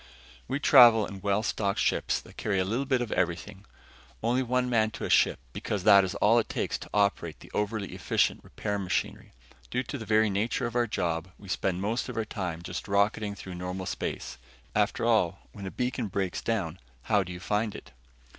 We travel in well stocked ships that carry a little bit of everything; only one man to a ship because that is all it takes to operate the overly efficient repair machinery. Due to the very nature of our job, we spend most of our time just rocketing through normal space. After all, when a beacon breaks down, how do you find it?